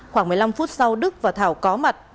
khoảng một mươi năm phút sau đức và thảo có mặt